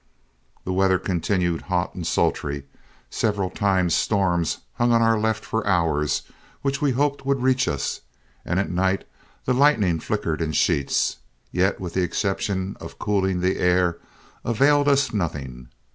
The weather continued hot and sultry. Several times storms hung on our left for hours which we hoped would reach us, and at night the lightning flickered in sheets, yet with the exception of cooling the air, availed us nothing.